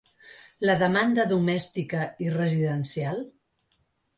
La demanda domèstica i residencial?